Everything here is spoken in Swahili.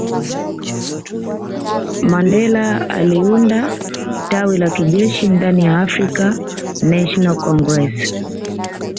Mandela aliunda tawi la kijeshi ndaniya Afrikan national congress